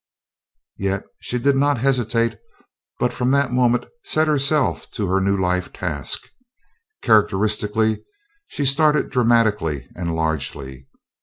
Yet she did not hesitate but from that moment set herself to her new life task. Characteristically, she started dramatically and largely.